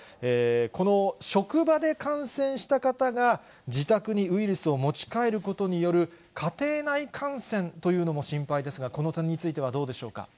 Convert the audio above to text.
この、職場で感染した方が自宅にウイルスを持ち帰ることによる家庭内感染というのも心配ですが、この点についてはどうでしょうか。